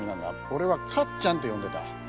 俺は「かっちゃん」って呼んでた。